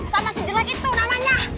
sama si jelek itu namanya